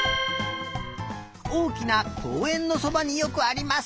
おおきなこうえんのそばによくあります。